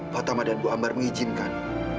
fatama dan bu ambar mengizinkan